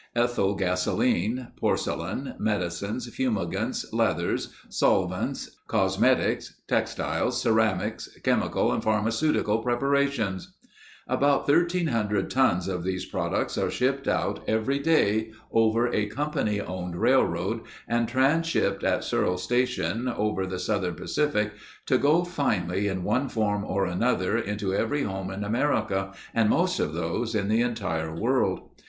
Ethyl gasoline, porcelain, medicines, fumigants, leathers, solvents, cosmetics, textiles, ceramics, chemical and pharmaceutical preparations. About 1300 tons of these products are shipped out every day over a company owned railroad and transshipped at Searles' Station over the Southern Pacific, to go finally in one form or another into every home in America and most of those in the entire world.